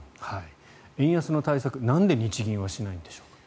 円安の対策なんで日銀はしないんでしょう。